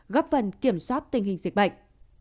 góp phần kiểm soát tình hình dịch bệnh